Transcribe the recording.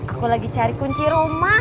aku lagi cari kunci rumah